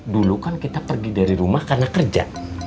dulu kan kita pergi dari rumah karena kerja